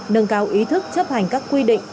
nâng cao ý thức chấp hành các quy định